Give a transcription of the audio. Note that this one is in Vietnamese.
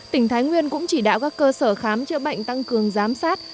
tỉnh thái nguyên cũng chỉ đạo các cơ sở khám chữa bệnh tăng cường giám sát